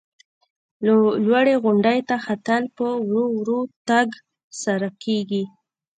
لوړې غونډۍ ته ختل په ورو ورو تګ سره کېږي.